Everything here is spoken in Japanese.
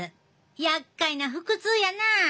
やっかいな腹痛やな。